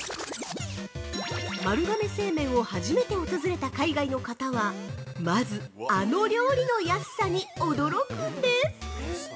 丸亀製麺を初めて訪れた海外の方はまず、あの料理の安さに驚くんです！